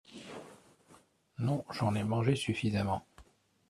Non, j’en ai mangé suffisamment.